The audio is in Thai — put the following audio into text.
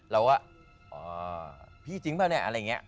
แล้วว่าพี่จริงปะเนี่ย